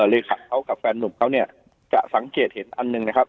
เลขะเขากับแฟนหนุ่มเขาเนี่ยจะสังเกตเห็นอันหนึ่งนะครับ